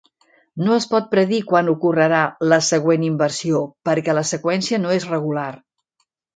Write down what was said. No es pot predir quan ocorrerà la següent inversió, perquè la seqüència no és regular.